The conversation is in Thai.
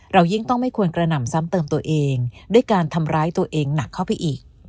ยิ่งต้องไม่ควรกระหน่ำซ้ำเติมตัวเองด้วยการทำร้ายตัวเองหนักเข้าไปอีก